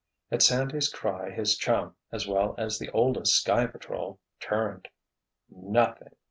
At Sandy's cry his chum, as well as the oldest Sky Patrol, turned. "Nothing!"